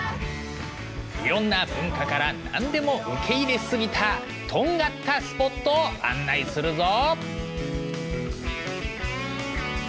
いろんな文化から何でも受け入れすぎたとんがったスポットを案内するぞ！